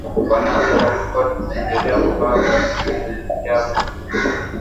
Wanawake karibu wote hupendelea kuvaa vazi aina ya hijabu